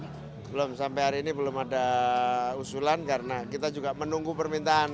belum sampai hari ini belum ada usulan karena kita juga menunggu permintaan